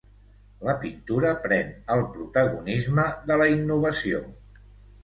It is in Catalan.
La pintura pren el protagonisme de la innovació.